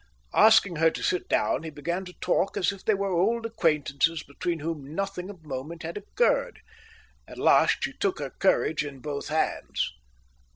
Asking her to sit down, he began to talk as if they were old acquaintances between whom nothing of moment had occurred. At last she took her courage in both hands.